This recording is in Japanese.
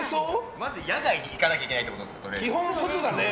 まず野外に行かないといけないってことですか。